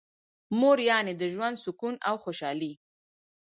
مور یعنی د ژوند سکون او خوشحالي.